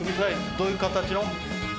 どういう形の？